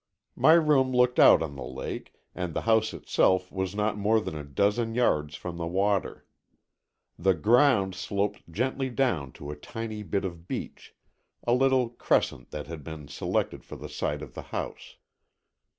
My room looked out on the lake, and the house itself was not more than a dozen yards from the water. The ground sloped gently down to a tiny bit of beach, a little crescent that had been selected for the site of the house.